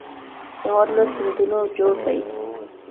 هېواد له سیندونو جوړ دی